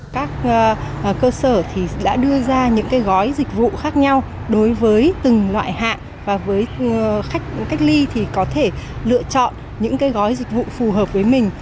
các cơ sở đã đưa ra những gói dịch vụ khác nhau đối với từng loại hạng và với khách cách ly thì có thể lựa chọn những gói dịch vụ phù hợp với mình